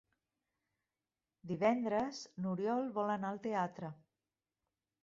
Divendres n'Oriol vol anar al teatre.